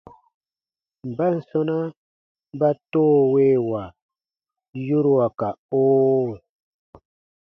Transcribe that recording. Mban sɔ̃na ba “toowewa” yorua ka “oo”?